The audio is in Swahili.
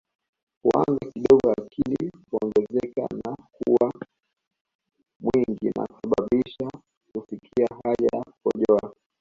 Huanza kidogo lakini huongezeka na huwa mwingi na kusababisha kusikia haja ya kukojoa